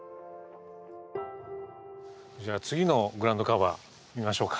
じゃあ次のグラウンドカバー見ましょうか。